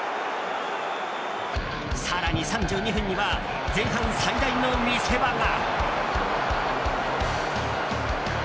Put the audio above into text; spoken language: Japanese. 更に３２分には前半最大の見せ場が。